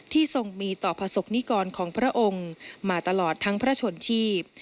ทรงมีต่อประสบนิกรของพระองค์มาตลอดทั้งพระชนชีพ